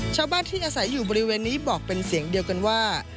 ชาวบ้านที่อาศัยอยู่บริเวณนี้บอกเป็นเสียงเดียวกันว่า